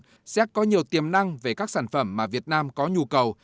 cộng hòa xác có nhiều tiềm năng về các sản phẩm mà việt nam có nhu cầu